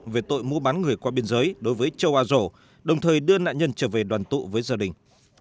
về tội mua bán người qua biên giới đối với châu a rổ đồng thời đưa nạn nhân trở về đoàn tụ với gia đình